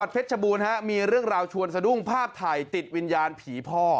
เพชรชบูรณมีเรื่องราวชวนสะดุ้งภาพถ่ายติดวิญญาณผีพ่อ